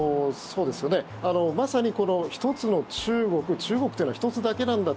まさに一つの中国中国というのは１つだけなんだ。